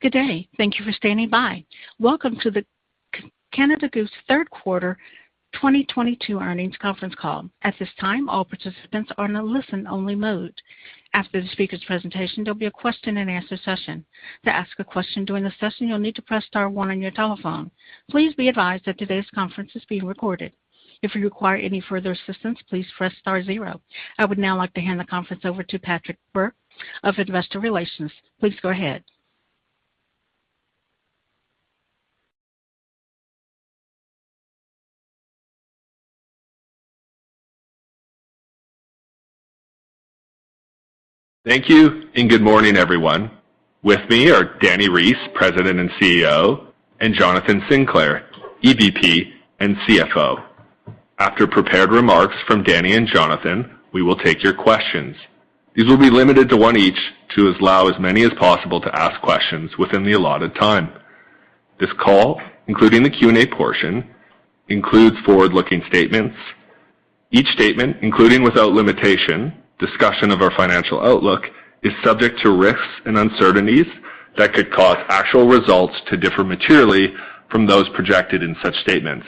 Good day. Thank you for standing by. Welcome to the Canada Goose third quarter 2022 earnings conference call. At this time, all participants are in a listen only mode. After the speaker's presentation, there'll be a question-and-answer session. To ask a question during the session, you'll need to press star one on your telephone. Please be advised that today's conference is being recorded. If you require any further assistance, please press star zero. I would now like to hand the conference over to Patrick Bourke of Investor Relations. Please go ahead. Thank you, and good morning, everyone. With me are Dani Reiss, President and CEO, and Jonathan Sinclair, EVP and CFO. After prepared remarks from Dani and Jonathan, we will take your questions. These will be limited to one each to allow as many as possible to ask questions within the allotted time. This call, including the Q&A portion, includes forward-looking statements. Each statement, including, without limitation, discussion of our financial outlook, is subject to risks and uncertainties that could cause actual results to differ materially from those projected in such statements.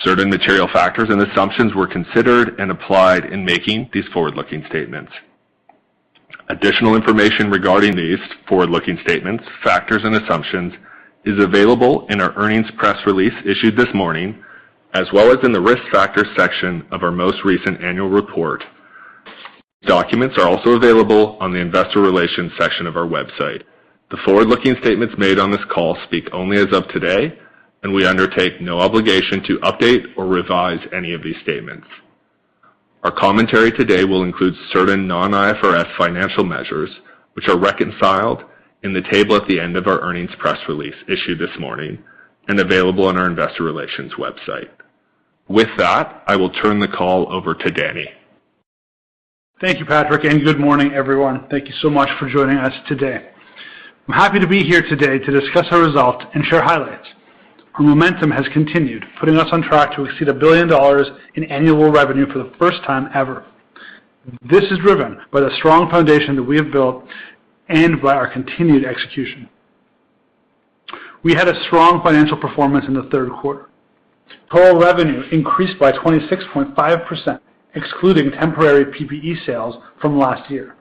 Certain material factors and assumptions were considered and applied in making these forward-looking statements. Additional information regarding these forward-looking statements, factors, and assumptions is available in our earnings press release issued this morning, as well as in the Risk Factors section of our most recent annual report. Documents are also available on the Investor Relations section of our website. The forward-looking statements made on this call speak only as of today, and we undertake no obligation to update or revise any of these statements. Our commentary today will include certain non-IFRS financial measures, which are reconciled in the table at the end of our earnings press release issued this morning and available on our investor relations website. With that, I will turn the call over to Dani. Thank you, Patrick, and good morning, everyone. Thank you so much for joining us today. I'm happy to be here today to discuss our results and share highlights. Our momentum has continued, putting us on track to exceed 1 billion dollars in annual revenue for the first time ever. This is driven by the strong foundation that we have built and by our continued execution. We had a strong financial performance in the third quarter. Total revenue increased by 26.5%, excluding temporary PPE sales from last year.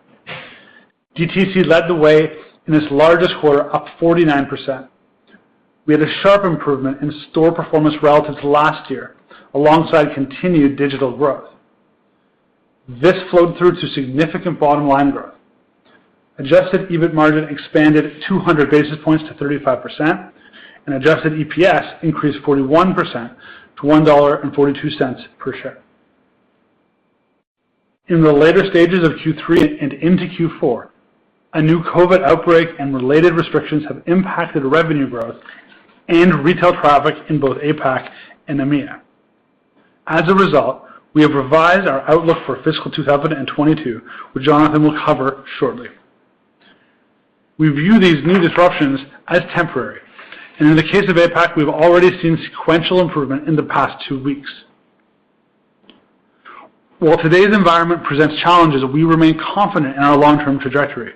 DTC led the way in its largest quarter, up 49%. We had a sharp improvement in store performance relative to last year, alongside continued digital growth. This flowed through to significant bottom-line growth. Adjusted EBIT margin expanded 200 basis points to 35% and adjusted EPS increased 41% to 1.42 dollar per share. In the later stages of Q3 and into Q4, a new COVID outbreak and related restrictions have impacted revenue growth and retail traffic in both APAC and EMEA. As a result, we have revised our outlook for fiscal 2022, which Jonathan will cover shortly. We view these new disruptions as temporary, and in the case of APAC, we've already seen sequential improvement in the past two weeks. While today's environment presents challenges, we remain confident in our long-term trajectory.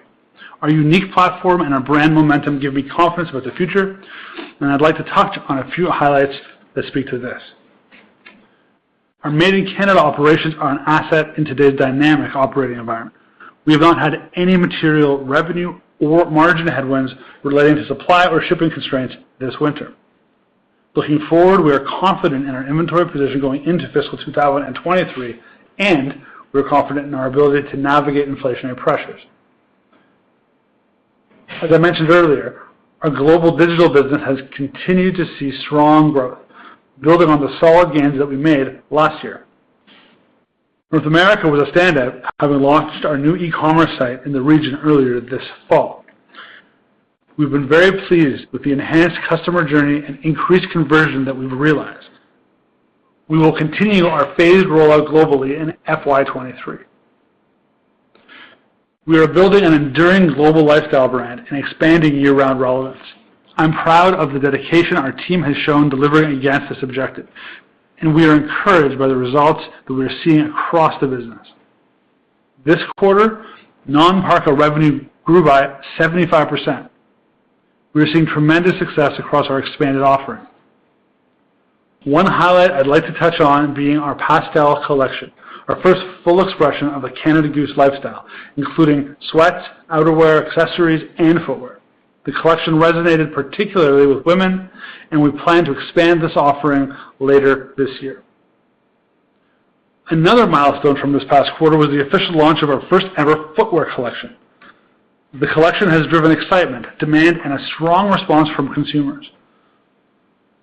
Our unique platform and our brand momentum give me confidence about the future, and I'd like to touch on a few highlights that speak to this. Our made in Canada operations are an asset in today's dynamic operating environment. We have not had any material revenue or margin headwinds relating to supply or shipping constraints this winter. Looking forward, we are confident in our inventory position going into fiscal 2023, and we are confident in our ability to navigate inflationary pressures. As I mentioned earlier, our global digital business has continued to see strong growth, building on the solid gains that we made last year. North America was a standout, having launched our new e-commerce site in the region earlier this fall. We've been very pleased with the enhanced customer journey and increased conversion that we've realized. We will continue our phased rollout globally in FY 2023. We are building an enduring global lifestyle brand and expanding year-round relevance. I'm proud of the dedication our team has shown delivering against this objective, and we are encouraged by the results that we are seeing across the business. This quarter, non-parka revenue grew by 75%. We are seeing tremendous success across our expanded offering. One highlight I'd like to touch on being our Pastel Collection, our first full expression of a Canada Goose lifestyle, including sweats, outerwear, accessories, and footwear. The collection resonated particularly with women, and we plan to expand this offering later this year. Another milestone from this past quarter was the official launch of our first ever footwear collection. The collection has driven excitement, demand, and a strong response from consumers.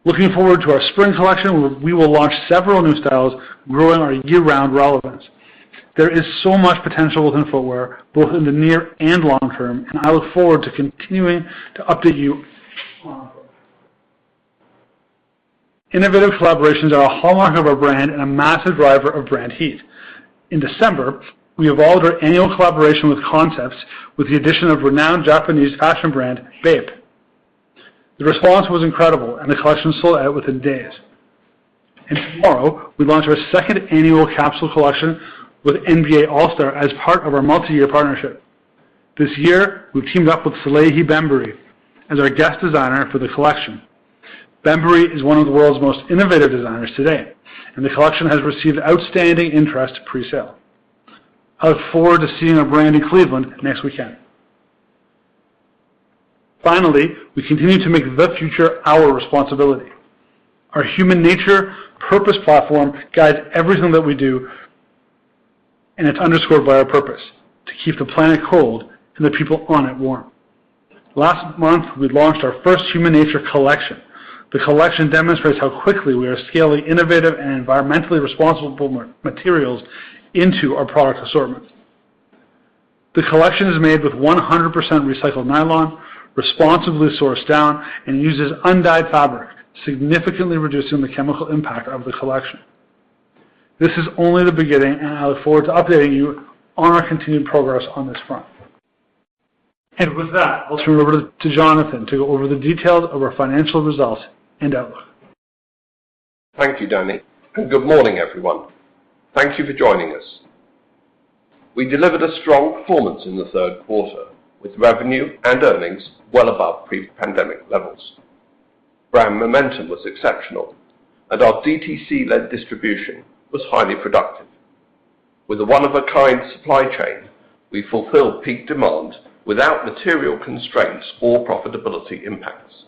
Looking forward to our spring collection, we will launch several new styles, growing our year-round relevance. There is so much potential within footwear, both in the near and long term, and I look forward to continuing to update you on. Innovative collaborations are a hallmark of our brand and a massive driver of brand heat. In December, we evolved our annual collaboration with Concepts with the addition of renowned Japanese fashion brand BAPE. The response was incredible, and the collection sold out within days. Tomorrow, we launch our second annual capsule collection with NBA All-Star as part of our multi-year partnership. This year, we've teamed up with Salehe Bembury as our guest designer for the collection. Bembury is one of the world's most innovative designers today, and the collection has received outstanding interest presale. I look forward to seeing our brand in Cleveland next weekend. Finally, we continue to make the future our responsibility. Our Humanature purpose platform guides everything that we do, and it's underscored by our purpose, to keep the planet cold and the people on it warm. Last month, we launched our first Humanature collection. The collection demonstrates how quickly we are scaling innovative and environmentally responsible materials into our product assortment. The collection is made with 100% recycled nylon, responsibly sourced down, and uses undyed fabric, significantly reducing the chemical impact of the collection. This is only the beginning, and I look forward to updating you on our continued progress on this front. With that, I'll turn it over to Jonathan to go over the details of our financial results and outlook. Thank you, Dani. Good morning, everyone. Thank you for joining us. We delivered a strong performance in the third quarter, with revenue and earnings well above pre-pandemic levels. Brand momentum was exceptional, and our DTC-led distribution was highly productive. With a one-of-a-kind supply chain, we fulfilled peak demand without material constraints or profitability impacts.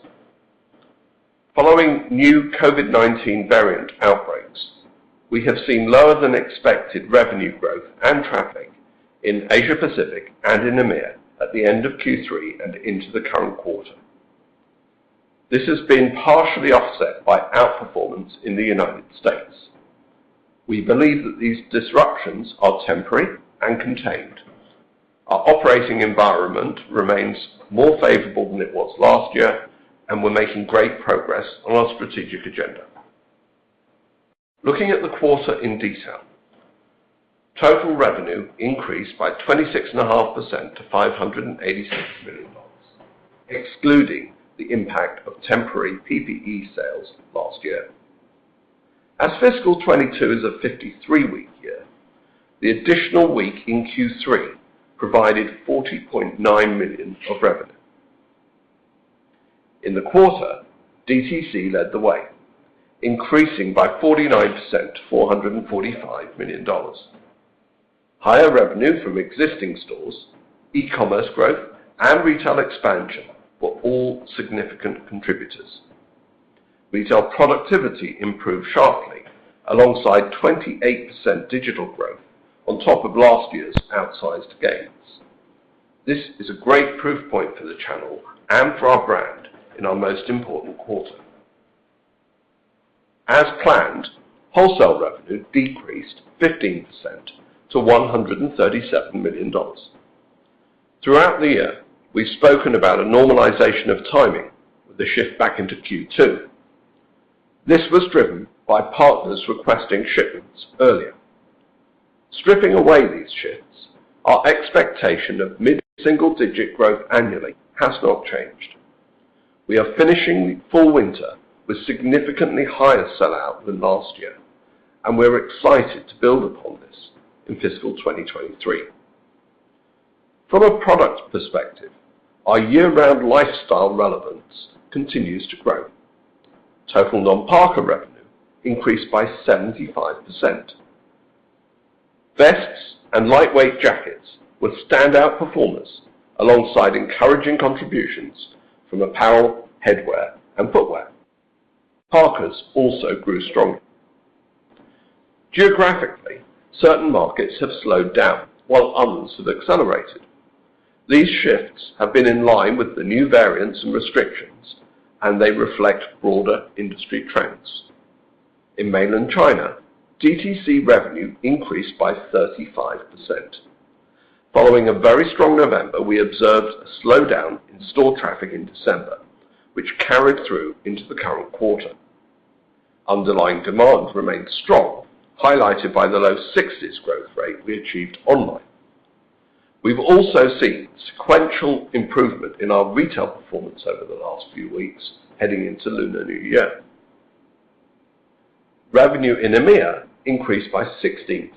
Following new COVID-19 variant outbreaks, we have seen lower than expected revenue growth and traffic in Asia Pacific and in EMEA at the end of Q3 and into the current quarter. This has been partially offset by outperformance in the United States. We believe that these disruptions are temporary and contained. Our operating environment remains more favorable than it was last year, and we're making great progress on our strategic agenda. Looking at the quarter in detail, total revenue increased by 26.5% to 586 million dollars, excluding the impact of temporary PPE sales last year. Fiscal 2022 is a 53-week year, the additional week in Q3 provided 40.9 million of revenue. In the quarter, DTC led the way, increasing by 49% to 445 million dollars. Higher revenue from existing stores, e-commerce growth, and retail expansion were all significant contributors. Retail productivity improved sharply alongside 28% digital growth on top of last year's outsized gains. This is a great proof point for the channel and for our brand in our most important quarter. As planned, wholesale revenue decreased 15% to 137 million dollars. Throughout the year, we've spoken about a normalization of timing with a shift back into Q2. This was driven by partners requesting shipments earlier. Stripping away these shifts, our expectation of mid-single-digit growth annually has not changed. We are finishing the full winter with significantly higher sell-out than last year, and we're excited to build upon this in fiscal 2023. From a product perspective, our year-round lifestyle relevance continues to grow. Total non-parka revenue increased by 75%. Vests and lightweight jackets were standout performers alongside encouraging contributions from apparel, headwear, and footwear. Parkas also grew strongly. Geographically, certain markets have slowed down while others have accelerated. These shifts have been in line with the new variants and restrictions, and they reflect broader industry trends. In Mainland China, DTC revenue increased by 35%. Following a very strong November, we observed a slowdown in store traffic in December, which carried through into the current quarter. Underlying demand remained strong, highlighted by the low 60s% growth rate we achieved online. We've also seen sequential improvement in our retail performance over the last few weeks heading into Lunar New Year. Revenue in EMEA increased by 16%.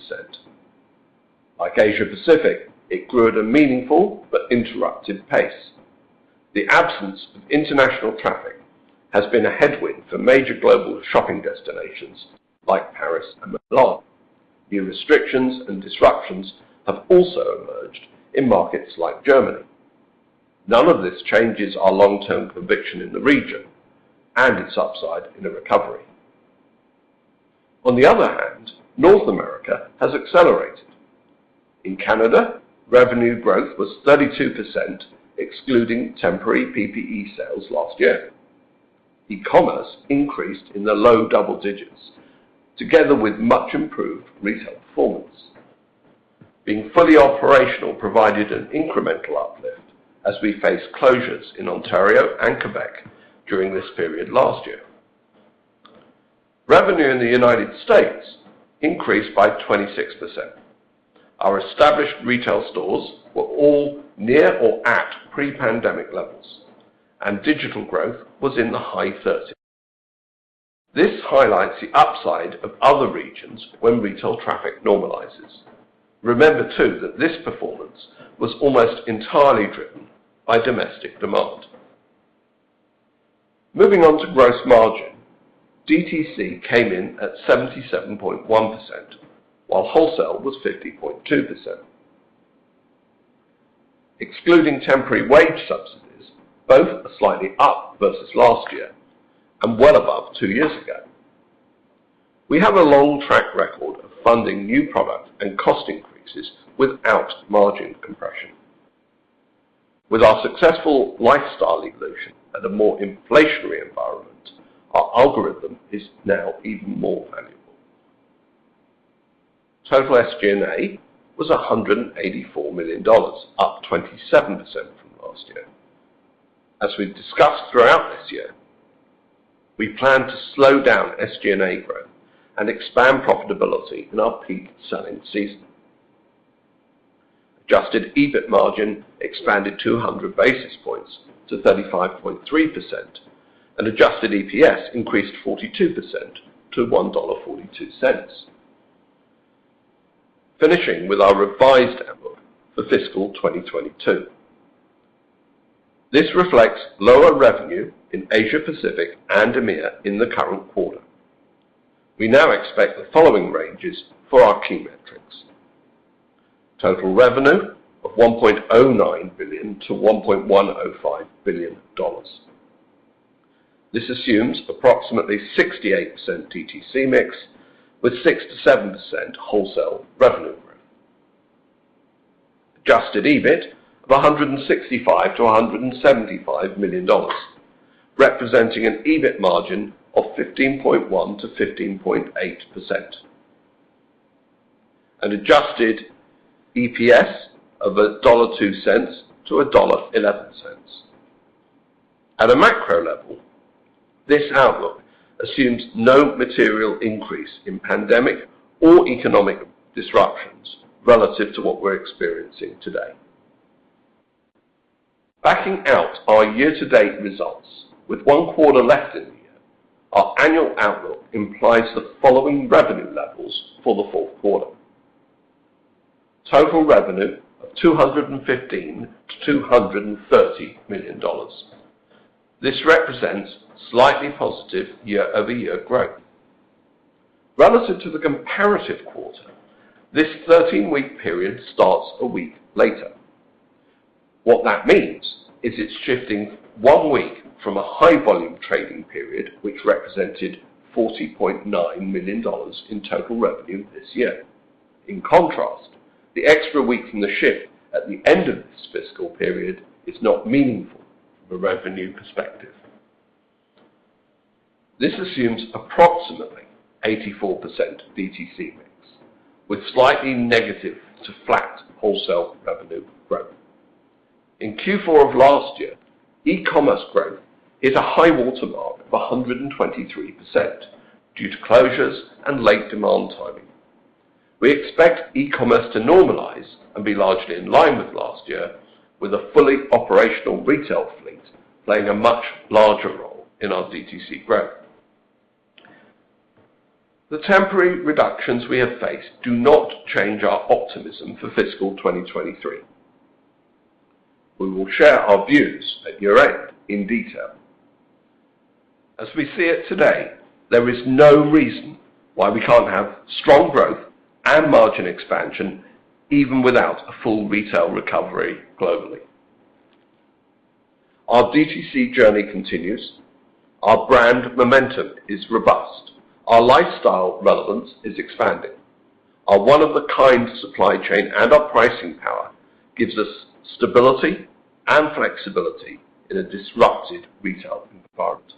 Like Asia Pacific, it grew at a meaningful but interrupted pace. The absence of international traffic has been a headwind for major global shopping destinations like Paris and Milan. New restrictions and disruptions have also emerged in markets like Germany. None of this changes our long-term conviction in the region and its upside in a recovery. On the other hand, North America has accelerated. In Canada, revenue growth was 32% excluding temporary PPE sales last year. E-commerce increased in the low double digits%, together with much improved retail performance. Being fully operational provided an incremental uplift as we faced closures in Ontario and Quebec during this period last year. Revenue in the United States increased by 26%. Our established retail stores were all near or at pre-pandemic levels, and digital growth was in the high 30s. This highlights the upside of other regions when retail traffic normalizes. Remember too, that this performance was almost entirely driven by domestic demand. Moving on to gross margin. DTC came in at 77.1%, while wholesale was 50.2%. Excluding temporary wage subsidies, both are slightly up versus last year and well above two years ago. We have a long track record of funding new product and cost increases without margin compression. With our successful lifestyle evolution and a more inflationary environment, our algorithm is now even more valuable. Total SG&A was 184 million dollars, up 27% from last year. We've discussed throughout this year, we plan to slow down SG&A growth and expand profitability in our peak selling season. Adjusted EBIT margin expanded 200 basis points to 35.3%, and adjusted EPS increased 42% to 1.42 dollar. Finishing with our revised outlook for fiscal 2022. This reflects lower revenue in Asia Pacific and EMEA in the current quarter. We now expect the following ranges for our key metrics. Total revenue of 1.09 billion-1.105 billion dollars. This assumes approximately 68% DTC mix with 6%-7% wholesale revenue growth. Adjusted EBIT of 165 million-175 million dollars, representing an EBIT margin of 15.1%-15.8%. An adjusted EPS of 1.02-1.11 dollar. At a macro level, this outlook assumes no material increase in pandemic or economic disruptions relative to what we're experiencing today. Backing out our year-to-date results with one quarter left in the year, our annual outlook implies the following revenue levels for the fourth quarter. Total revenue of 215 million-230 million dollars. This represents slightly positive year-over-year growth. Relative to the comparative quarter, this 13-week period starts a week later. What that means is it's shifting one week from a high volume trading period, which represented 40.9 million dollars in total revenue this year. In contrast, the extra week from the shift at the end of this fiscal period is not meaningful from a revenue perspective. This assumes approximately 84% DTC mix with slightly negative to flat wholesale revenue growth. In Q4 of last year, e-commerce growth hit a high-water mark of 123% due to closures and late demand timing. We expect e-commerce to normalize and be largely in line with last year with a fully operational retail fleet playing a much larger role in our DTC growth. The temporary reductions we have faced do not change our optimism for fiscal 2023. We will share our views at year-end in detail. As we see it today, there is no reason why we can't have strong growth and margin expansion even without a full retail recovery globally. Our DTC journey continues. Our brand momentum is robust. Our lifestyle relevance is expanding. Our one of a kind supply chain and our pricing power gives us stability and flexibility in a disrupted retail environment.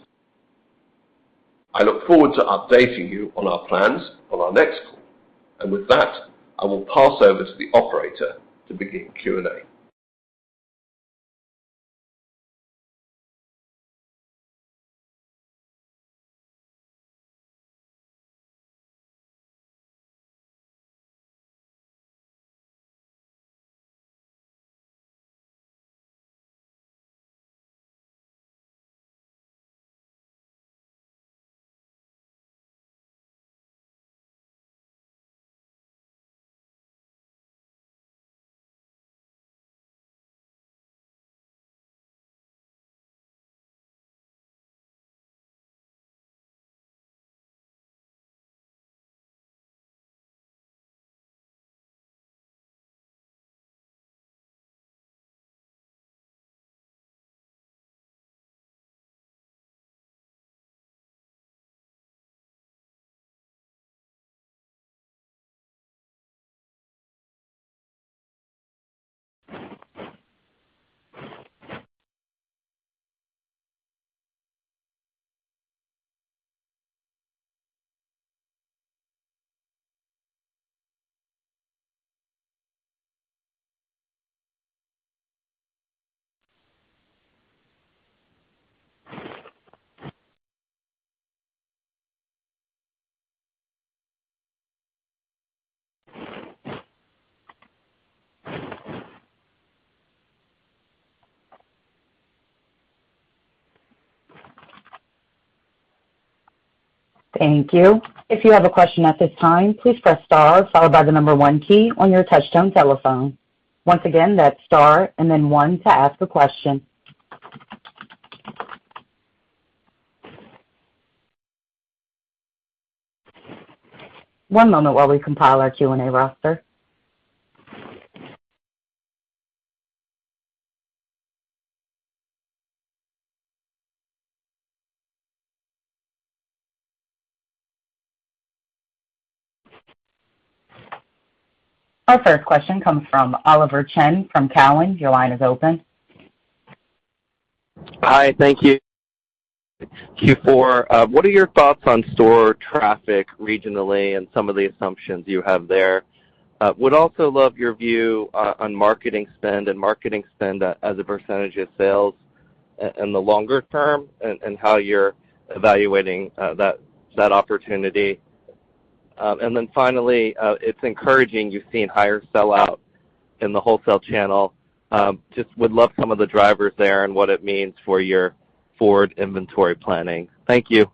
I look forward to updating you on our plans on our next call. With that, I will pass over to the operator to begin Q&A. Thank you. If you have a question at this time please press star followed by number one on your touchphone telephone. Once again that's star and then one to ask a question. One moment while we compile our Q&A roaster. Our first question comes from Oliver Chen from Cowen. Your line is open. Hi. Thank you. Q4, what are your thoughts on store traffic regionally and some of the assumptions you have there? Would also love your view on marketing spend and marketing spend as a percentage of sales in the longer term and how you're evaluating that opportunity. Finally, it's encouraging you're seeing higher sell out in the wholesale channel. Just would love some of the drivers there and what it means for your forward inventory planning. Thank you.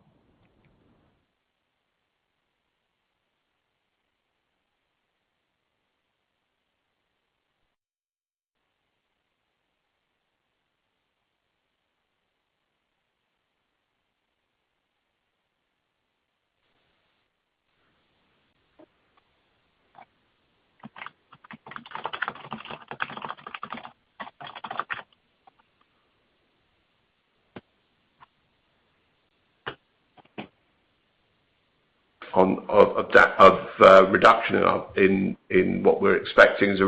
Of that reduction in what we're expecting is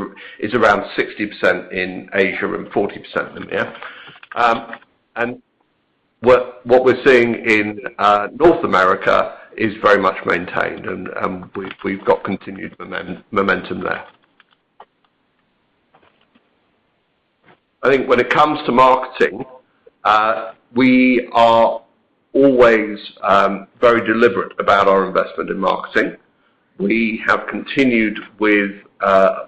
around 60% in Asia and 40% in EMEA. And what we're seeing in North America is very much maintained and we've got continued momentum there. I think when it comes to marketing, we are always very deliberate about our investment in marketing. We have continued with a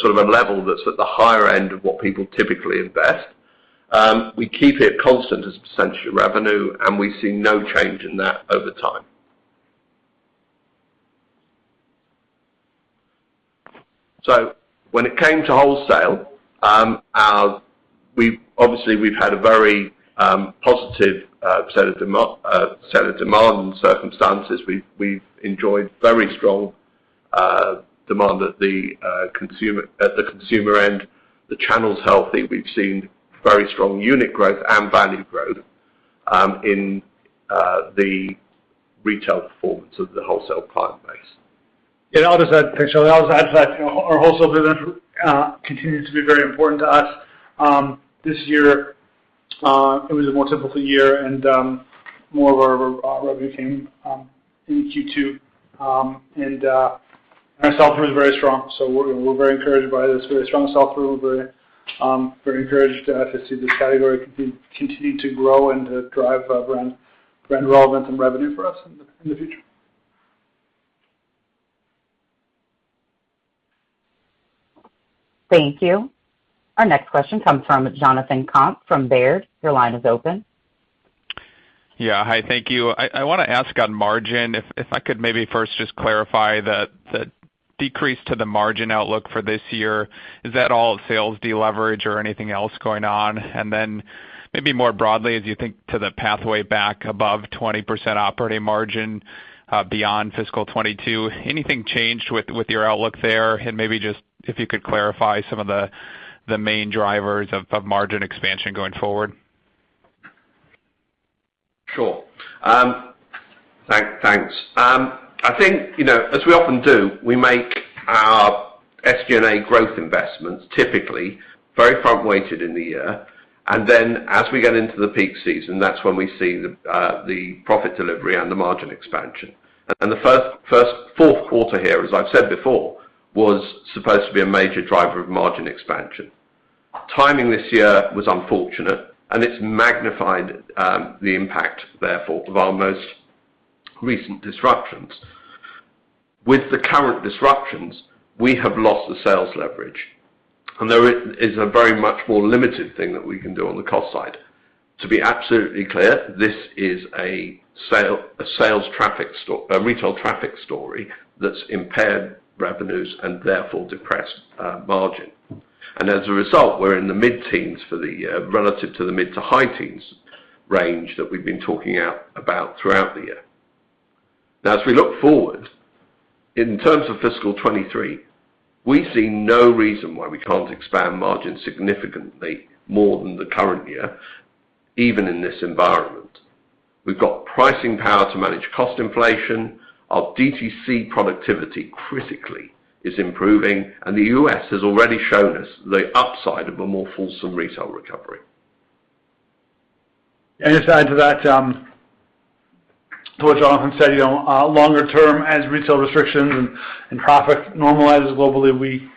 sort of a level that's at the higher end of what people typically invest. We keep it constant as a percentage of revenue, and we see no change in that over time. When it came to wholesale, obviously, we've had a very positive set of demand circumstances. We've enjoyed very strong demand at the consumer end. The channel's healthy. We've seen very strong unit growth and value growth in the retail performance of the wholesale client base. Yeah, I'll just add to that, Shelley. You know, our wholesale business continues to be very important to us. This year, it was a more typical year and more of our revenue came in Q2. Our sell-through is very strong, so we're very encouraged by this very strong sell-through. We're very encouraged to see this category continue to grow and to drive brand relevance and revenue for us in the future. Thank you. Our next question comes from Jonathan Komp from Baird. Your line is open. Yeah. Hi, thank you. I wanna ask on margin, if I could maybe first just clarify the decrease to the margin outlook for this year, is that all sales deleverage or anything else going on? Then maybe more broadly as you think to the pathway back above 20% operating margin, beyond fiscal 2022, anything changed with your outlook there? Maybe just if you could clarify some of the main drivers of margin expansion going forward. Sure. Thanks. I think, you know, as we often do, we make our SG&A growth investments typically very front-weighted in the year. As we get into the peak season, that's when we see the profit delivery and the margin expansion. The fourth quarter here, as I've said before, was supposed to be a major driver of margin expansion. Timing this year was unfortunate, and it's magnified the impact therefore of our most recent disruptions. With the current disruptions, we have lost the sales leverage, and there is a very much more limited thing that we can do on the cost side. To be absolutely clear, this is a retail traffic story that's impaired revenues and therefore depressed margin. As a result, we're in the mid-teens for the year, relative to the mid to high teens range that we've been talking about throughout the year. Now, as we look forward, in terms of fiscal 2023, we see no reason why we can't expand margins significantly more than the current year, even in this environment. We've got pricing power to manage cost inflation. Our DTC productivity critically is improving, and the U.S. has already shown us the upside of a more fulsome retail mix Just add to that, to what Jonathan said, you know, longer term as retail restrictions and traffic normalizes globally, we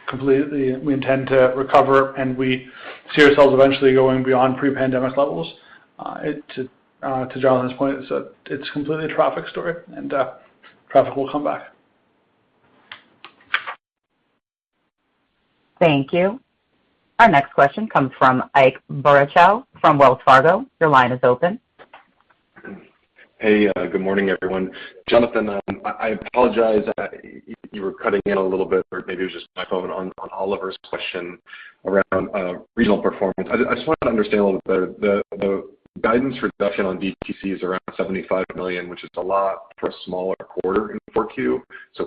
intend to recover, and we see ourselves eventually going beyond pre-pandemic levels. To Jonathan's point, it is completely a traffic story, and traffic will come back. Thank you. Our next question comes from Ike Boruchow from Wells Fargo. Your line is open. Hey, good morning, everyone. Jonathan, I apologize. You were cutting in a little bit, or maybe it was just my phone on Oliver's question around regional performance. I just wanna understand a little bit better the guidance reduction on DTC is around 75 million, which is a lot for a smaller quarter in 4Q.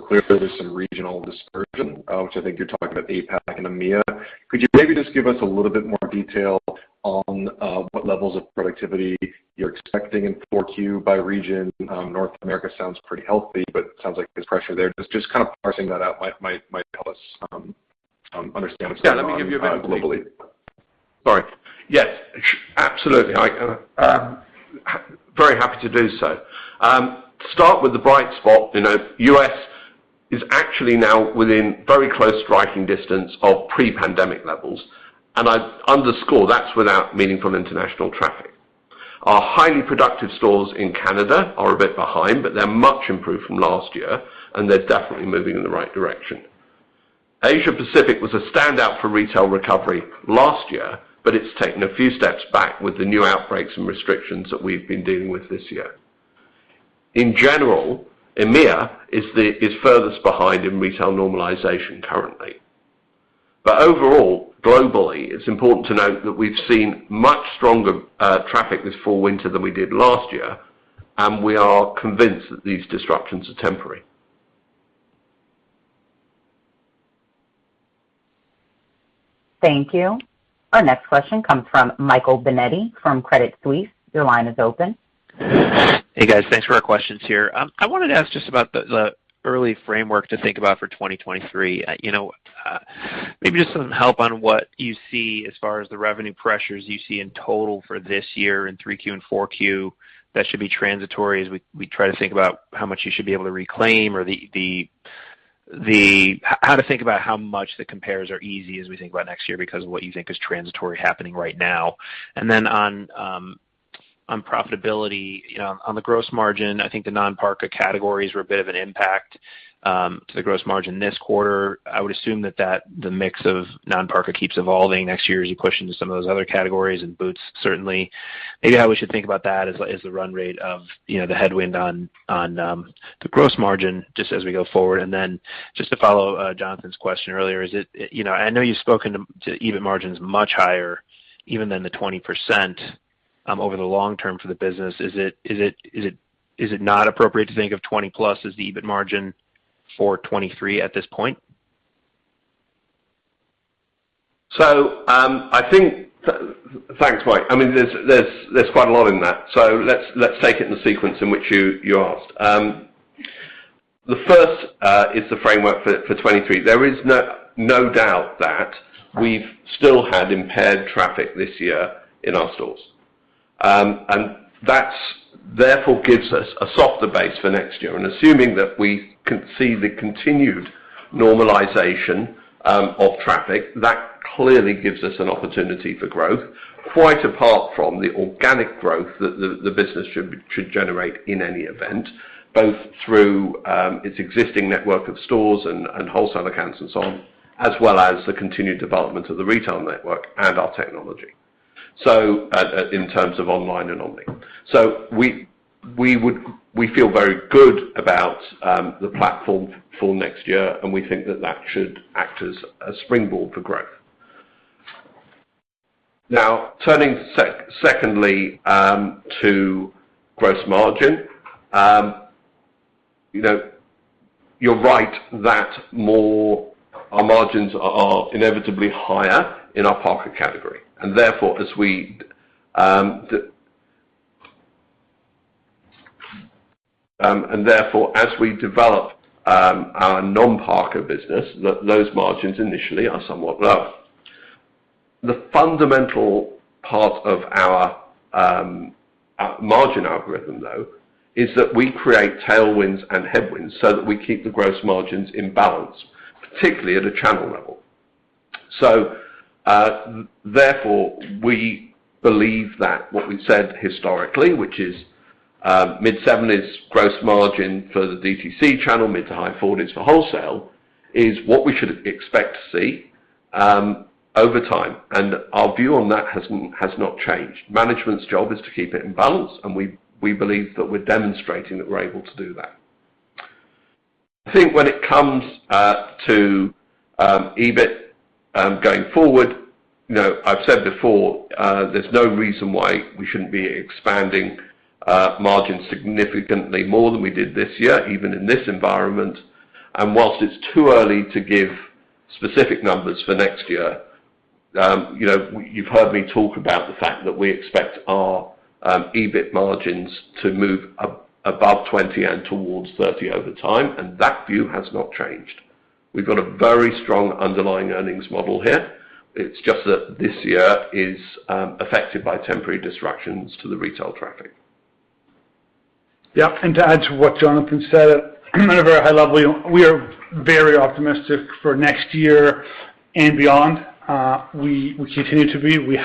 Clearly there's some regional dispersion, which I think you're talking about APAC and EMEA. Could you maybe just give us a little bit more detail on what levels of productivity you're expecting in 4Q by region? North America sounds pretty healthy, but it sounds like there's pressure there. Just kind of parsing that out might help us understand what's going on globally. Yeah. Let me give you a bit of detail. Sorry. Yes. Absolutely, Ike. Very happy to do so. Start with the bright spot. You know, U.S. is actually now within very close striking distance of pre-pandemic levels. I underscore that's without meaningful international traffic. Our highly productive stores in Canada are a bit behind, but they're much improved from last year, and they're definitely moving in the right direction. Asia Pacific was a standout for retail recovery last year, but it's taken a few steps back with the new outbreaks and restrictions that we've been dealing with this year. In general, EMEA is furthest behind in retail normalization currently. Overall, globally, it's important to note that we've seen much stronger traffic this fall/winter than we did last year, and we are convinced that these disruptions are temporary. Thank you. Our next question comes from Michael Binetti from Credit Suisse. Your line is open. Hey, guys. Thanks for our questions here. I wanted to ask just about the early framework to think about for 2023. Maybe just some help on what you see as far as the revenue pressures you see in total for this year in 3Q and 4Q that should be transitory as we try to think about how much you should be able to reclaim or how to think about how much the compares are easy as we think about next year because of what you think is transitory happening right now. On profitability, you know, on the gross margin, I think the non-parka categories were a bit of an impact to the gross margin this quarter. I would assume that the mix of non-Parka keeps evolving next year as you push into some of those other categories and boots certainly. Maybe how we should think about that is the run rate of, you know, the headwind on the gross margin just as we go forward. Just to follow Jonathan's question earlier, is it. You know, I know you've spoken to EBIT margins much higher, even than the 20%, over the long term for the business. Is it not appropriate to think of 20+ as the EBIT margin for 2023 at this point? Thanks, Mike. I mean, there's quite a lot in that. Let's take it in the sequence in which you asked. The first is the framework for 2023. There is no doubt that we've still had impaired traffic this year in our stores. That therefore gives us a softer base for next year. Assuming that we can see the continued normalization of traffic, that clearly gives us an opportunity for growth, quite apart from the organic growth that the business should generate in any event, both through its existing network of stores and wholesale accounts and so on, as well as the continued development of the retail network and our technology. In terms of online and omnichannel. We feel very good about the platform for next year, and we think that that should act as a springboard for growth. Now, turning secondly to gross margin. You know, you're right that our margins are inevitably higher in our Parka category. Therefore, as we develop our non-Parka business, those margins initially are somewhat low. The fundamental part of our margin algorithm, though, is that we create tailwinds and headwinds so that we keep the gross margins in balance, particularly at a channel level. Therefore, we believe that what we've said historically, which is mid-70s gross margin for the DTC channel, mid- to high 40s for wholesale, is what we should expect to see over time. Our view on that has not changed. Management's job is to keep it in balance, and we believe that we're demonstrating that we're able to do that. I think when it comes to EBIT going forward, you know, I've said before, there's no reason why we shouldn't be expanding margins significantly more than we did this year, even in this environment. While it's too early to give specific numbers for next year, you know, you've heard me talk about the fact that we expect our EBIT margins to move above 20% and towards 30% over time, and that view has not changed. We've got a very strong underlying earnings model here. It's just that this year is affected by temporary disruptions to the retail traffic. To add to what Jonathan said, at a very high level, we are very optimistic for next year and beyond. We continue to be. We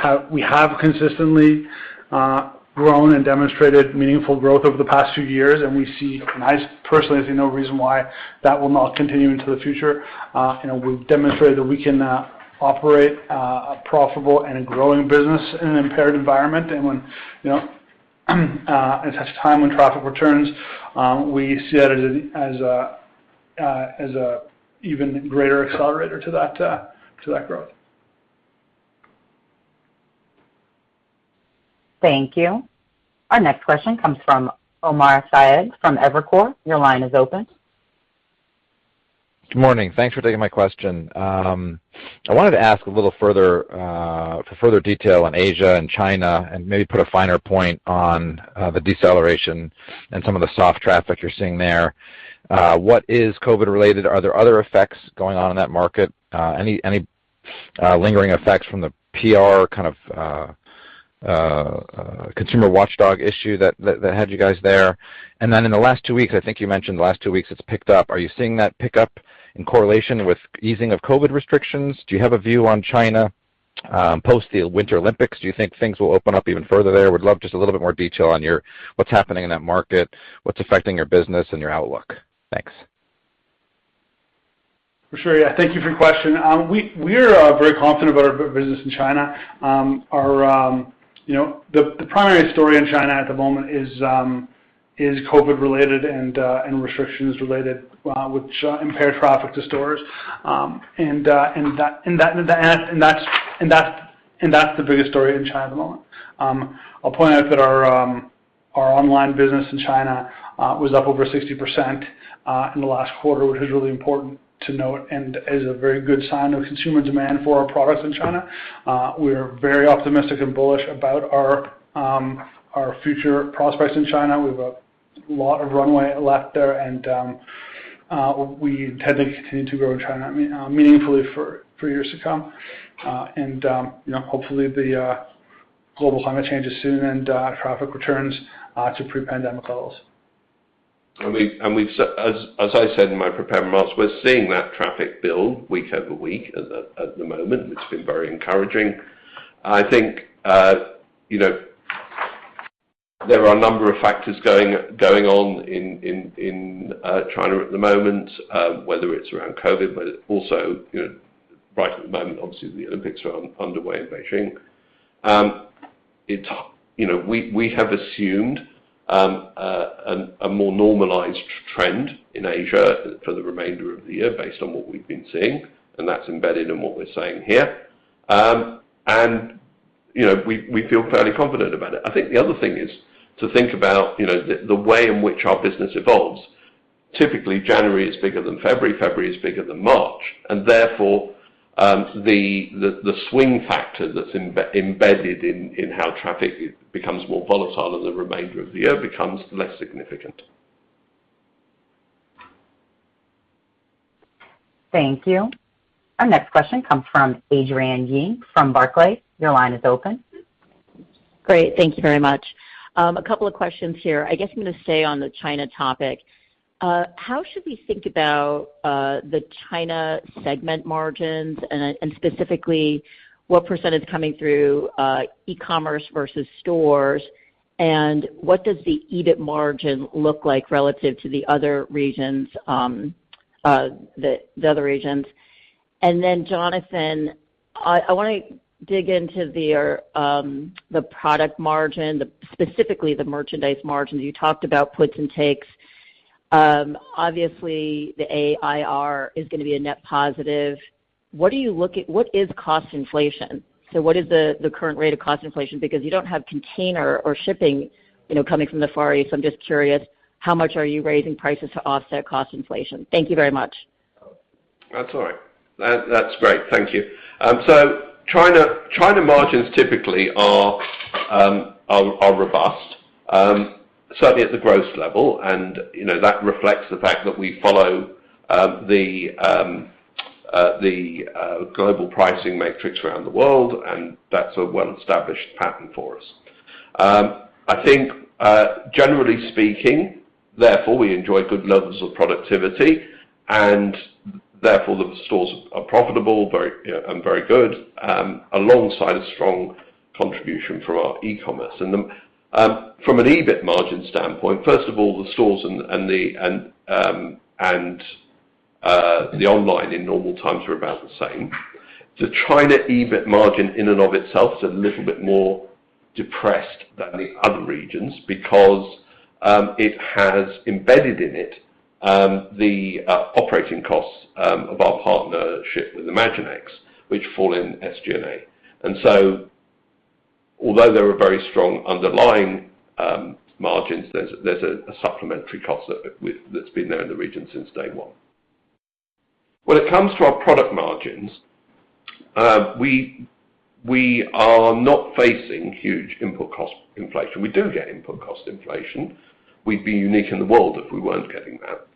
have consistently grown and demonstrated meaningful growth over the past few years, and we see, and I personally see no reason why that will not continue into the future. You know, we've demonstrated that we can operate a profitable and growing business in an impaired environment. When you know and as time when traffic returns, we see that as a even greater accelerator to that growth. Thank you. Our next question comes from Omar Saad from Evercore. Your line is open. Good morning. Thanks for taking my question. I wanted to ask a little further for further detail on Asia and China, and maybe put a finer point on the deceleration and some of the soft traffic you're seeing there. What is COVID related? Are there other effects going on in that market? Any lingering effects from the PR kind of consumer watchdog issue that had you guys there? In the last two weeks, I think you mentioned the last two weeks, it's picked up. Are you seeing that pickup in correlation with easing of COVID restrictions? Do you have a view on China post the Winter Olympics? Do you think things will open up even further there? Would love just a little bit more detail on your... What's happening in that market, what's affecting your business and your outlook. Thanks. For sure. Yeah, thank you for your question. We are very confident about our business in China. Our primary story in China at the moment is COVID-related and restrictions related, which impair traffic to stores, and that's the biggest story in China at the moment. I'll point out that our online business in China was up over 60% in the last quarter, which is really important to note and is a very good sign of consumer demand for our products in China. We're very optimistic and bullish about our future prospects in China. We've a lot of runway left there, and we intend to continue to grow in China meaningfully for years to come. You know, hopefully, the global climate changes soon and traffic returns to pre-pandemic levels. As I said in my prepared remarks, we're seeing that traffic build week over week at the moment, which has been very encouraging. I think, you know, there are a number of factors going on in China at the moment, whether it's around COVID, but also, you know, right at the moment, obviously, the Olympics are underway in Beijing. You know, we have assumed a more normalized trend in Asia for the remainder of the year based on what we've been seeing, and that's embedded in what we're saying here. You know, we feel fairly confident about it. I think the other thing is to think about, you know, the way in which our business evolves. Typically, January is bigger than February is bigger than March, and therefore, the swing factor that's embedded in how traffic becomes more volatile as the remainder of the year becomes less significant. Thank you. Our next question comes from Adrienne Yih from Barclays. Your line is open. Great. Thank you very much. A couple of questions here. I guess I'm gonna stay on the China topic. How should we think about the China segment margins and specifically what percentage coming through e-commerce versus stores? And what does the EBIT margin look like relative to the other regions? And then, Jonathan, I wanna dig into your product margin, specifically the merchandise margin. You talked about puts and takes. Obviously, the AUR is gonna be a net positive. What is cost inflation? So what is the current rate of cost inflation? Because you don't have container or shipping, you know, coming from the Far East. So I'm just curious, how much are you raising prices to offset cost inflation? Thank you very much. That's all right. That's great. Thank you. China margins typically are robust, certainly at the gross level. You know, that reflects the fact that we follow the global pricing matrix around the world, and that's a well-established pattern for us. I think generally speaking, therefore, we enjoy good levels of productivity and therefore the stores are profitable, very, you know, and very good, alongside a strong contribution from our e-commerce. From an EBIT margin standpoint, first of all, the stores and the online in normal times are about the same. The China EBIT margin in and of itself is a little bit more depressed than the other regions because it has embedded in it the operating costs of our partnership with ImagineX, which fall in SG&A. Although there are very strong underlying margins, there's a supplementary cost that's been there in the region since day one. When it comes to our product margins, we are not facing huge input cost inflation. We do get input cost inflation. We'd be unique in the world if we weren't getting that.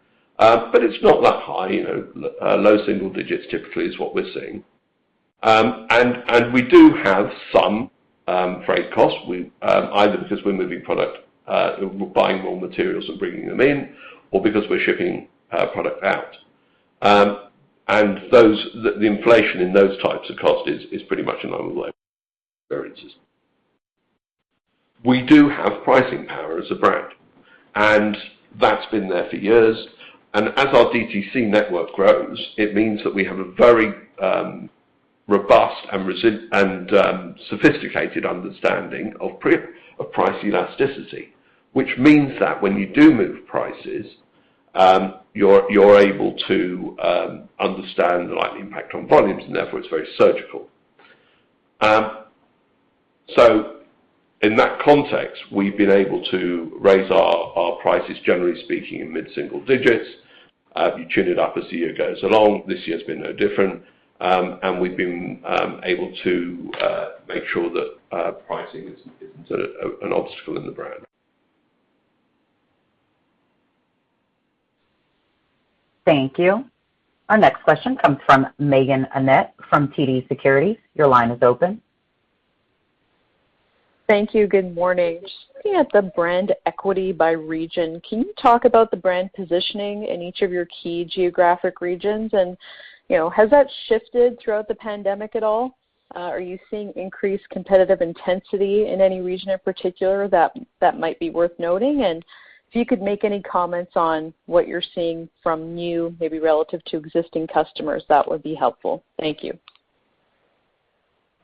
But it's not that high. You know, low single digits typically is what we're seeing. And we do have some freight costs. We... Either because we're moving product, we're buying raw materials and bringing them in or because we're shipping product out. The inflation in those types of costs is pretty much in line with labor variances. We do have pricing power as a brand, and that's been there for years. As our DTC network grows, it means that we have a very robust and sophisticated understanding of price elasticity, which means that when you do move prices, you're able to understand the likely impact on volumes and therefore it's very surgical. In that context, we've been able to raise our prices, generally speaking, in mid-single digits. You tune it up as the year goes along. This year's been no different. We've been able to make sure that pricing isn't an obstacle in the brand. Thank you. Our next question comes from Meaghen Annett from TD Securities. Your line is open. Thank you. Good morning. Just looking at the brand equity by region, can you talk about the brand positioning in each of your key geographic regions? You know, has that shifted throughout the pandemic at all? Are you seeing increased competitive intensity in any region in particular that might be worth noting? If you could make any comments on what you're seeing from new, maybe relative to existing customers, that would be helpful. Thank you.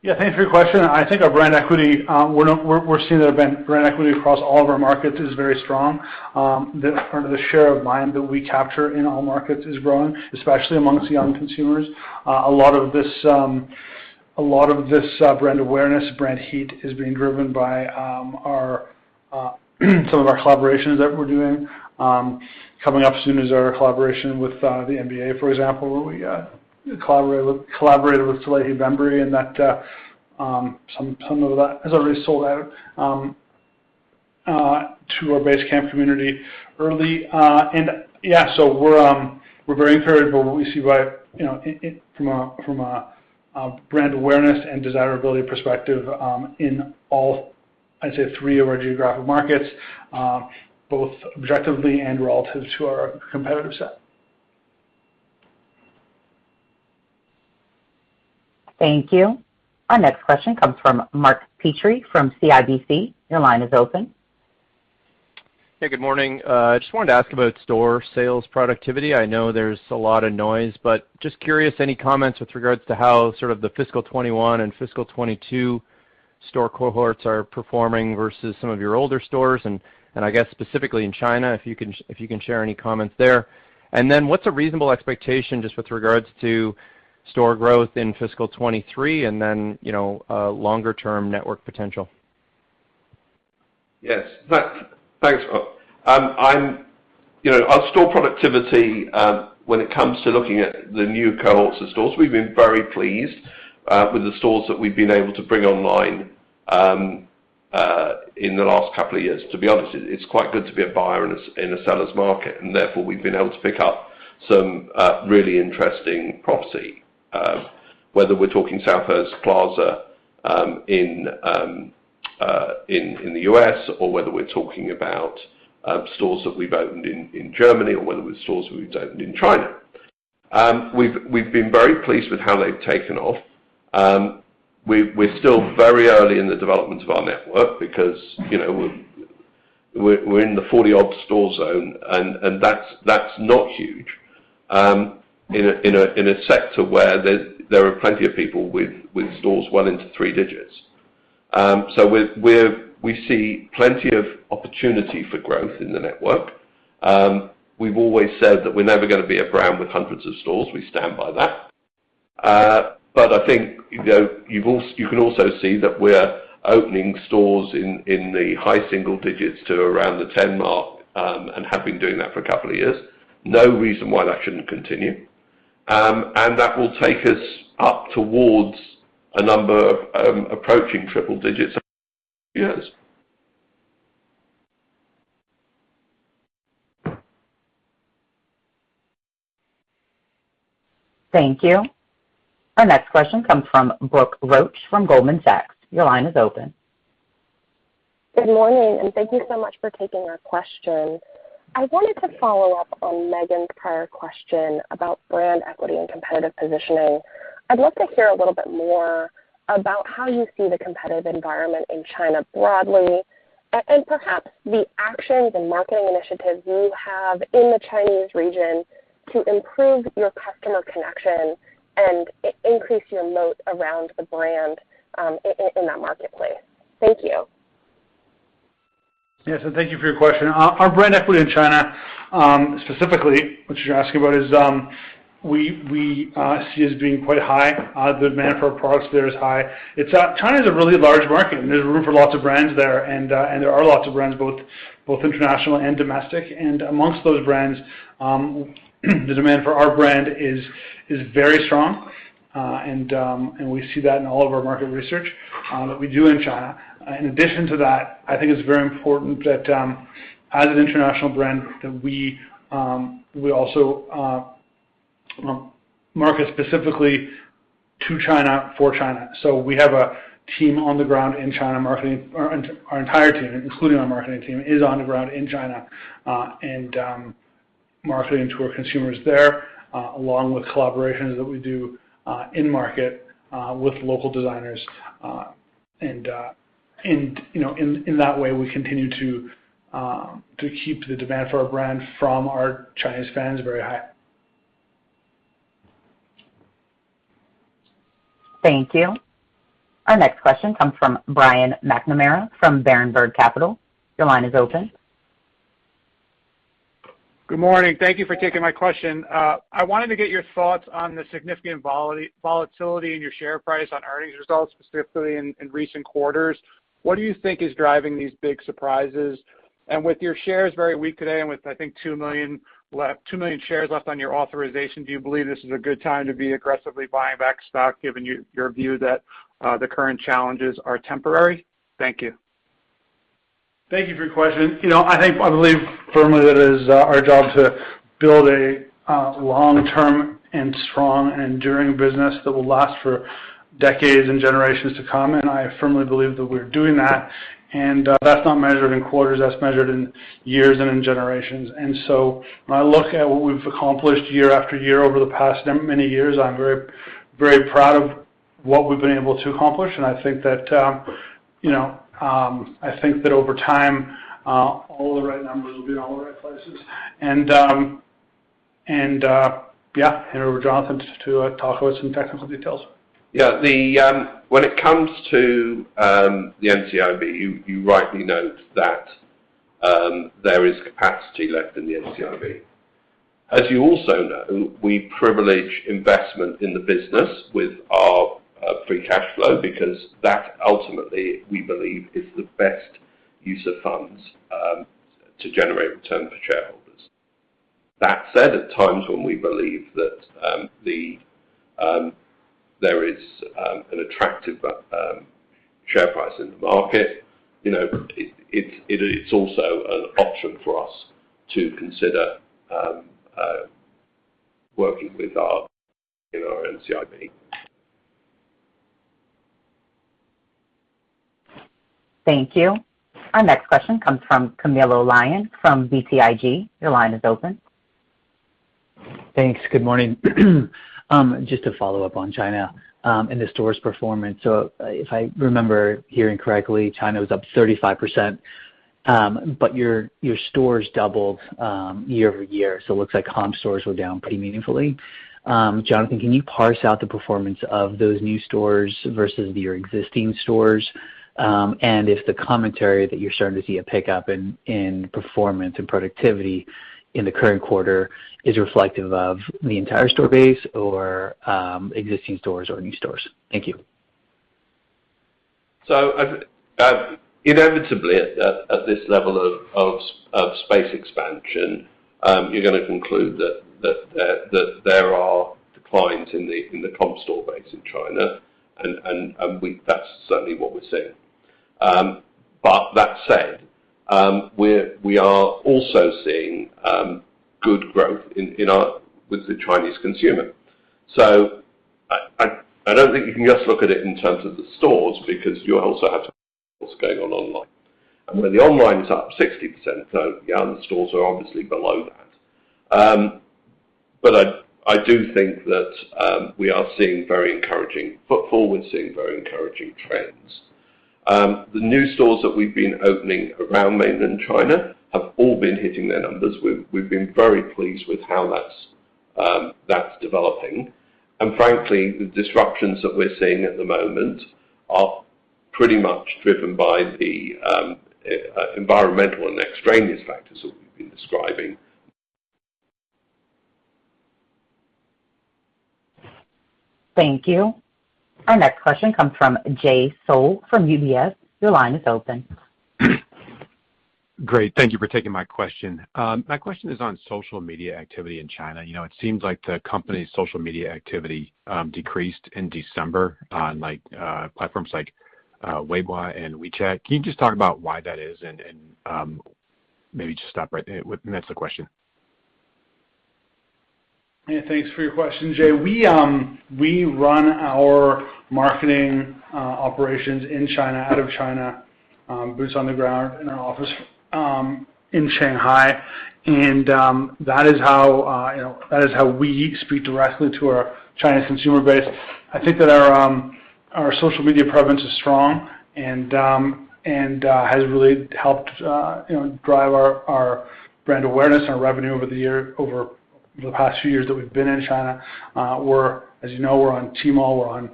Yeah. Thanks for your question. I think our brand equity. We're seeing that brand equity across all of our markets is very strong. The share of mind that we capture in all markets is growing, especially among young consumers. A lot of this brand awareness, brand heat is being driven by some of our collaborations that we're doing. Coming up soon is our collaboration with the NBA, for example, where we collaborated with Salehe Bembury, and some of that has already sold out to our Base Camp community early. Yeah, we're very encouraged by what we see, you know, in. From a brand awareness and desirability perspective, in all, I'd say, three of our geographic markets, both objectively and relative to our competitor set. Thank you. Our next question comes from Mark Petrie from CIBC. Your line is open. Hey, good morning. Just wanted to ask about store sales productivity. I know there's a lot of noise, but just curious, any comments with regards to how sort of the fiscal 2021 and fiscal 2022 store cohorts are performing versus some of your older stores and I guess specifically in China, if you can share any comments there. What's a reasonable expectation just with regards to store growth in fiscal 2023 and then, you know, longer term network potential? Yes. Thanks, Mark. You know, our store productivity, when it comes to looking at the new cohorts of stores, we've been very pleased with the stores that we've been able to bring online in the last couple of years, to be honest. It's quite good to be a buyer in a seller's market, and therefore we've been able to pick up some really interesting property, whether we're talking South Coast Plaza in the U.S. or whether we're talking about stores that we've opened in Germany or whether it was stores we've opened in China. We've been very pleased with how they've taken off. We're still very early in the development of our network because, you know, we're in the 40-odd store zone and that's not huge in a sector where there are plenty of people with stores well into three digits. We see plenty of opportunity for growth in the network. We've always said that we're never gonna be a brand with hundreds of stores. We stand by that. But I think, you know, you can also see that we're opening stores in the high single digits to around the 10 mark and have been doing that for a couple of years. No reason why that shouldn't continue. That will take us up towards a number approaching triple digits years. Thank you. Our next question comes from Brooke Roach from Goldman Sachs. Your line is open. Good morning, and thank you so much for taking our question. I wanted to follow up on Megan's prior question about brand equity and competitive positioning. I'd love to hear a little bit more about how you see the competitive environment in China broadly, and perhaps the actions and marketing initiatives you have in the Chinese region to improve your customer connection and increase your moat around the brand, in that marketplace. Thank you. Thank you for your question. Our brand equity in China, specifically, which you're asking about, we see as being quite high. The demand for our products there is high. China is a really large market and there's room for lots of brands there and there are lots of brands both international and domestic. Among those brands, the demand for our brand is very strong. We see that in all of our market research that we do in China. In addition to that, I think it's very important that, as an international brand, we also market specifically to China for China. We have a team on the ground in China marketing. Our entire team, including our marketing team, is on the ground in China and marketing to our consumers there, along with collaborations that we do in market with local designers. You know, in that way, we continue to keep the demand for our brand from our Chinese fans very high. Thank you. Our next question comes from Brian McNamara from Berenberg Capital Markets. Your line is open. Good morning. Thank you for taking my question. I wanted to get your thoughts on the significant volatility in your share price on earnings results, specifically in recent quarters. What do you think is driving these big surprises? With your shares very weak today and with, I think, 2 million shares left on your authorization, do you believe this is a good time to be aggressively buying back stock, given your view that the current challenges are temporary? Thank you. Thank you for your question. You know, I think I believe firmly that it is our job to build a long-term and strong enduring business that will last for decades and generations to come. I firmly believe that we're doing that. That's not measured in quarters, that's measured in years and in generations. When I look at what we've accomplished year after year over the past many years, I'm very, very proud of what we've been able to accomplish. I think that, you know, I think that over time all the right numbers will be in all the right places. Yeah, hand over to Jonathan to talk about some technical details. When it comes to the NCIB, you rightly note that there is capacity left in the NCIB. As you also know, we privilege investment in the business with our free cash flow because that ultimately, we believe, is the best use of funds to generate return for shareholders. That said, at times when we believe that there is an attractive share price in the market, you know, it's also an option for us to consider working in our NCIB. Thank you. Our next question comes from Camilo Lyon from BTIG. Your line is open. Thanks. Good morning. Just to follow up on China, and the store's performance. If I remember hearing correctly, China was up 35%, but your stores doubled year-over-year. It looks like comp stores were down pretty meaningfully. Jonathan, can you parse out the performance of those new stores versus your existing stores? And if the commentary that you're starting to see a pickup in performance and productivity in the current quarter is reflective of the entire store base or existing stores or new stores. Thank you. Inevitably at this level of space expansion, you're gonna conclude that there are declines in the comp store base in China. That's certainly what we're seeing. That said, we are also seeing good growth with the Chinese consumer. I don't think you can just look at it in terms of the stores because you also have to look at what's going on online. When the online is up 60%, you know, the stores are obviously below that. I do think that we are seeing very encouraging trends. The new stores that we've been opening around mainland China have all been hitting their numbers. We've been very pleased with how that's developing. Frankly, the disruptions that we're seeing at the moment are pretty much driven by the environmental and extraneous factors that we've been describing. Thank you. Our next question comes from Jay Sole from UBS. Your line is open. Great. Thank you for taking my question. My question is on social media activity in China. You know, it seems like the company's social media activity decreased in December on like platforms like Weibo and WeChat. Can you just talk about why that is, and that's the question. Yeah, thanks for your question, Jay. We run our marketing operations in China out of China, boots on the ground in our office in Shanghai. That is how you know we speak directly to our China consumer base. I think that our social media presence is strong and has really helped you know drive our brand awareness and our revenue over the past few years that we've been in China. As you know, we're on Tmall, we're on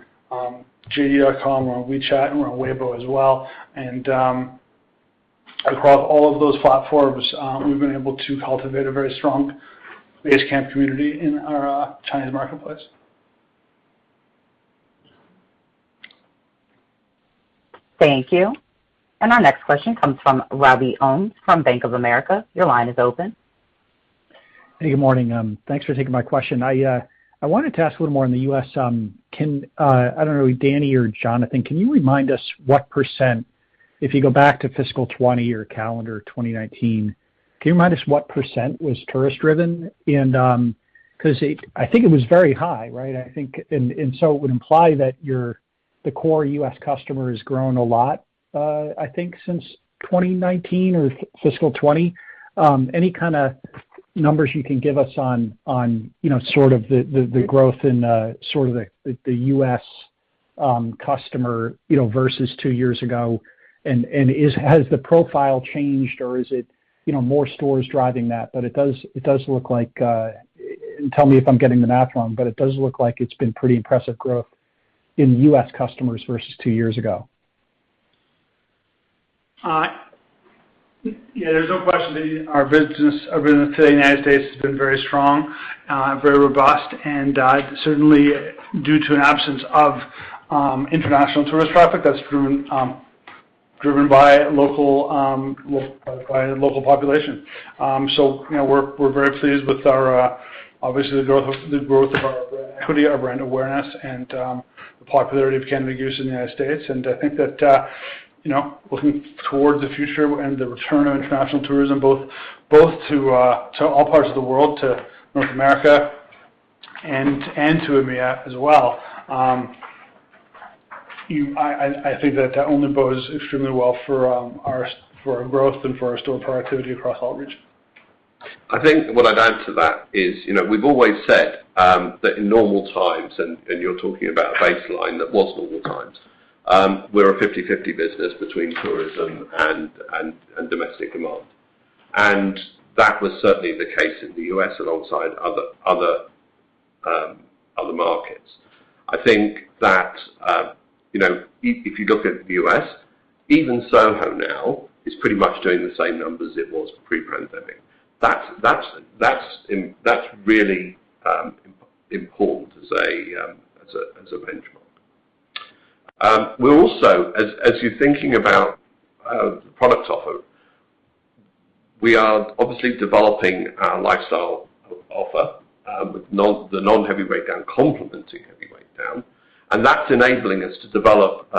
JD.com, we're on WeChat, and we're on Weibo as well. Across all of those platforms, we've been able to cultivate a very strong Base Camp community in our Chinese marketplace. Thank you. Our next question comes from Robbie Ohmes from Bank of America. Your line is open. Hey, good morning. Thanks for taking my question. I wanted to ask a little more in the U.S., I don't know, Dani or Jonathan, can you remind us what percent was tourist-driven if you go back to FY 2020 or calendar 2019? 'Cause it was very high, right? So it would imply that the core U.S. customer has grown a lot since 2019 or FY 2020. Any kinda numbers you can give us on the growth in the U.S. customer versus two years ago, and has the profile changed or is it more stores driving that? It does look like. Tell me if I'm getting the math wrong, but it does look like it's been pretty impressive growth in U.S. customers versus two years ago. Yeah, there's no question that our business in the United States has been very strong, very robust and certainly due to an absence of international tourist traffic that's driven by local population. You know, we're very pleased with our obviously the growth of our brand equity, our brand awareness, and the popularity of Canada Goose in the United States. I think that you know, looking towards the future and the return of international tourism both to all parts of the world, to North America and to EMEA as well, I think that that only bodes extremely well for our growth and for our store productivity across all regions. I think what I'd add to that is, you know, we've always said that in normal times, and you're talking about a baseline that was normal times, we're a 50/50 business between tourism and domestic demand. That was certainly the case in the U.S. alongside other markets. I think that, you know, if you look at the U.S., even Soho now is pretty much doing the same numbers it was pre-pandemic. That's really important as a benchmark. We're also as you're thinking about product offer, we are obviously developing our lifestyle offer with the non-heavyweight down complementing heavyweight down, and that's enabling us to develop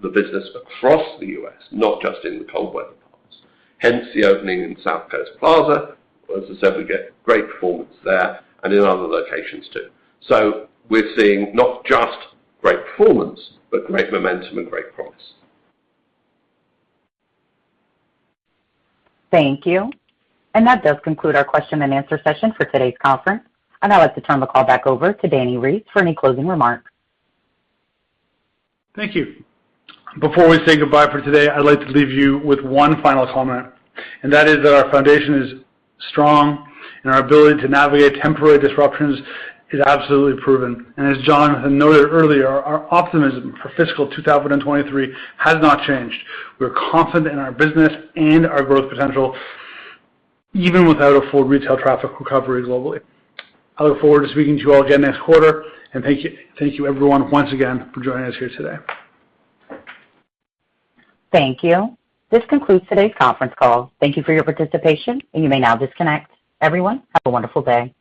the business across the U.S., not just in the cold weather parts. Hence the opening in South Coast Plaza. As I said, we get great performance there and in other locations too. We're seeing not just great performance, but great momentum and great promise. Thank you. That does conclude our question-and-answer session for today's conference. I'd now like to turn the call back over to Dani Reiss for any closing remarks. Thank you. Before we say goodbye for today, I'd like to leave you with one final comment, and that is that our foundation is strong, and our ability to navigate temporary disruptions is absolutely proven. As Jonathan noted earlier, our optimism for fiscal 2023 has not changed. We're confident in our business and our growth potential even without a full retail traffic recovery globally. I look forward to speaking to you all again next quarter. Thank you, thank you everyone once again for joining us here today. Thank you. This concludes today's conference call. Thank you for your participation, and you may now disconnect. Everyone, have a wonderful day.